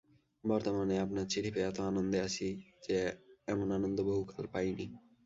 বর্তমানে আপনার চিঠি পেয়ে এত আনন্দে আছি যে, এমন আনন্দ বহুকাল পাইনি।